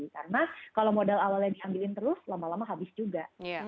karena kalau modal awalnya diambilin terus lama lama habis juga